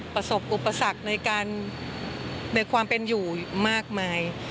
ประสบอุปสรรคในความเป็นอยู่มากมาย